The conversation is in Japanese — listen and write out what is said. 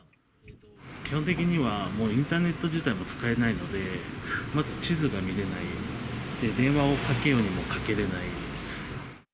基本的にはもうインターネット自体も使えないので、まず地図が見れない、電話をかけるにもかけれない。